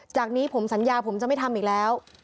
จากนี้ผมสัญญาผมจะไม่ทำอีกแล้ว